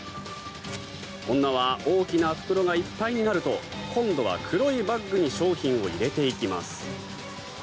女は大きな袋がいっぱいになると今度は黒いバッグに商品を入れていきます。